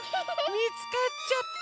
みつかっちゃった！